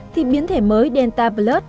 thì biến thể mới delta blur